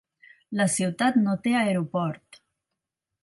La ciutat no té aeroport.